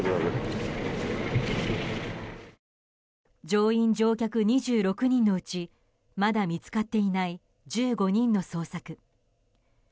乗員・乗客２６人のうちまだ見つかっていない１５人の捜索。